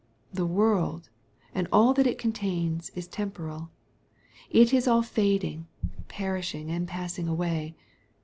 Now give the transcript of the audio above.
The world, and all that it contains is temporal. It is all fading, perishing, and passing away.